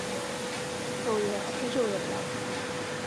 皱叶和非皱叶的两种。